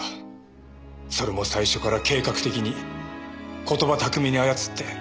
それも最初から計画的に言葉巧みに操って。